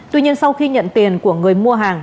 tuy nhiên sau khi nhận tiền của người mua hàng